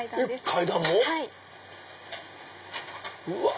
階段も⁉うわ！